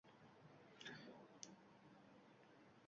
uz rahbari Zafar Hoshimov xaridorlarga shunday dedi: